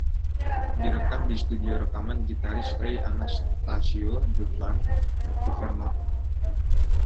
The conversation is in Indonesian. Direkam di studio rekaman gitaris Trey Anastasio, The Barn, di Vermont.